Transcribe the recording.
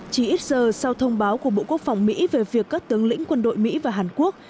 chỉ ít giờ sau thông báo của bộ quốc phòng mỹ về việc các tướng lĩnh quân đội mỹ và hàn quốc